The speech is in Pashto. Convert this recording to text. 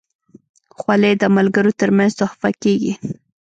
خولۍ د ملګرو ترمنځ تحفه کېږي.